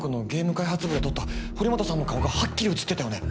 開発部で撮った堀本さんの顔がはっきり写ってたよね